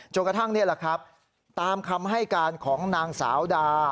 กระทั่งนี่แหละครับตามคำให้การของนางสาวดา